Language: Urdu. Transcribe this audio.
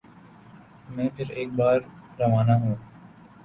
میں پھر ایک بار روانہ ہوں